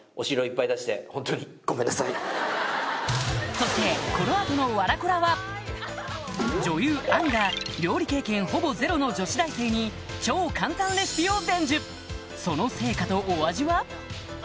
そしてこの後の『笑コラ』は女優杏が料理経験ほぼゼロの女子大生に超簡単レシピを伝授その成果とお味は？